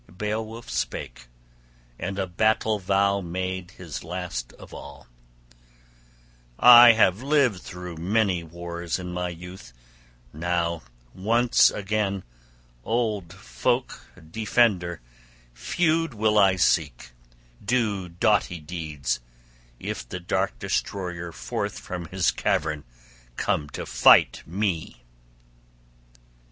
Beowulf spake, and a battle vow made his last of all: "I have lived through many wars in my youth; now once again, old folk defender, feud will I seek, do doughty deeds, if the dark destroyer forth from his cavern come to fight me!"